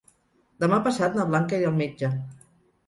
Demà passat na Blanca irà al metge.